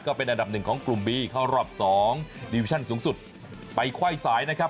ก็เป็นอันดับหนึ่งของกลุ่มบีเข้ารอบสองดิวิชั่นสูงสุดไปไขว้สายนะครับ